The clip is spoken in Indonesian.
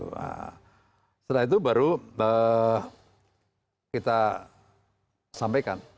nah setelah itu baru kita sampaikan